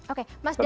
oke mas damar